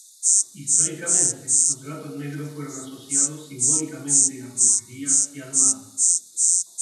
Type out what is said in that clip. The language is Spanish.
Históricamente, los gatos negros fueron asociados simbólicamente a brujería y al mal.